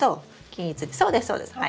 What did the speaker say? そうですそうです。